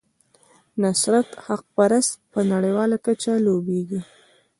نصرت حقپرست په نړیواله کچه لوبیږي.